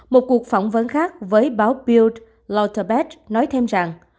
một cuộc phỏng vấn khác với báo bild lauterbach nói thêm rằng